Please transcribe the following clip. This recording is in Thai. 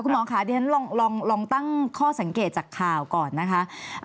หมอค่ะเดี๋ยวฉันลองตั้งข้อสังเกตจากข่าวก่อนนะคะ